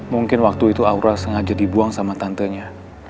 mungkin waktu itu aura sengaja dibuang sama tantenya